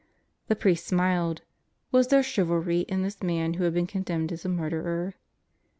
The priest smiled. Was there chivalry in this man who had been condemned as a murderer?